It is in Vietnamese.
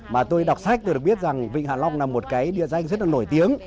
mà tôi đọc sách tôi được biết rằng vịnh hạ long là một cái địa danh rất là nổi tiếng